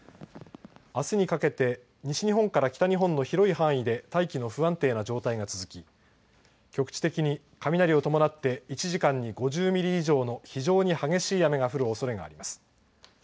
あすにかけて西日本から北日本の広い範囲で大気の不安定な状態が続き局地的に雷を伴って１時間に５０ミリ以上の非常に激しい雨が降るおそれがあります。